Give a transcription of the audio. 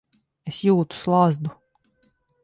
Es jūtu slazdu.